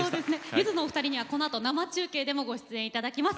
ゆずのお二人にはこのあともご登場いただきます。